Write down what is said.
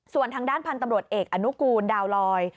ส่วนทางด้านพันธุ์ตำรวจเอกอนุกูลดาวลอย